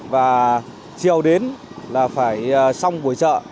và chiều đến là phải xong buổi chợ